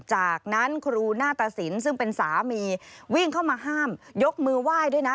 จากนั้นครูหน้าตสินซึ่งเป็นสามีวิ่งเข้ามาห้ามยกมือไหว้ด้วยนะ